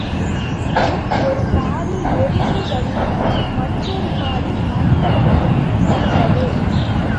இது ஒரு பாதி எருமை வடிவமும், மற்றெரு பாதி மனித வடிவமும் கொண்டது.